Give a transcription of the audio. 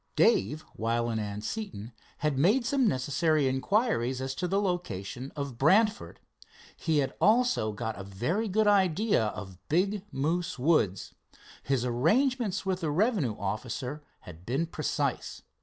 Dave, while in Anseton, had made some necessary inquiries as to the location of Brantford. He had also got a very good idea of Big Moose Woods. His arrangements with the revenue officer had been precise.